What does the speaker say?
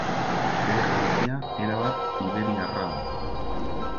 Bere jantzia, erabat iberiarra da.